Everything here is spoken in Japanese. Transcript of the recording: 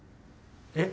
えっ？